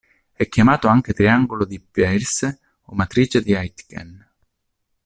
È chiamato anche triangolo di Peirce o matrice di Aitken.